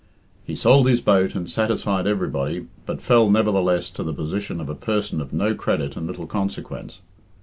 He sold his boat and satisfied everybody, but fell, nevertheless, to the position of a person of no credit and little consequence.